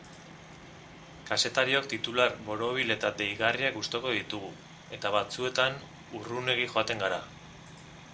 Kazetariok titular borobil eta deigarriak gustuko ditugu, eta batzuetan urrunegi joaten gara.